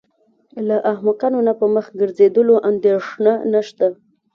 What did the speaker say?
له احمقانو نه په مخ ګرځولو اندېښنه نشته.